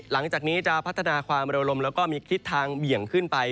หลังจากนี้จะพัฒนาความเร็วลมแล้วก็มีทิศทางเบี่ยงขึ้นไป